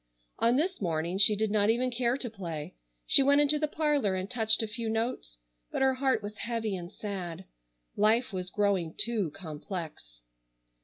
On this morning she did not even care to play. She went into the parlor and touched a few notes, but her heart was heavy and sad. Life was growing too complex.